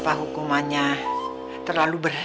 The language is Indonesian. apa hukumannya terlalu berat